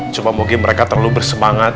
cuma mungkin mereka terlalu bersemangat